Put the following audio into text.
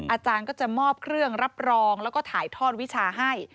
อาจารย์ก็จะมอบเครื่องรับรองแล้วก็ถ่ายทอดวิชาให้